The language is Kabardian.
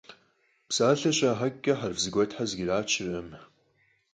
Псалъэр щрахьэкӀкӀэ хьэрф зэгуэтхэр зэкӀэрачыркъым.